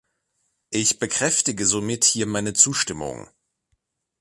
Ich bekräftige somit hier meine Zustimmung.